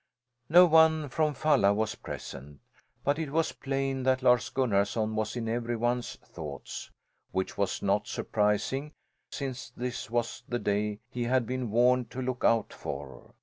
No one from Falla was present. But it was plain that Lars Gunnarson was in every one's thoughts; which was not surprising since this was the day he had been warned to look out for.